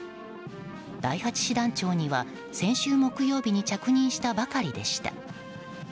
第８師団長には先週木曜日に着任したばかりでした。